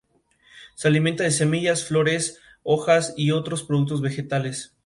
El equipo que más veces obtuvo el campeonato es la Unión Deportiva Melilla.